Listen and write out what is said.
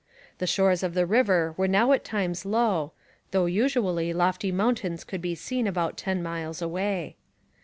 The shores of the river were now at times low, though usually lofty mountains could be seen about ten miles away.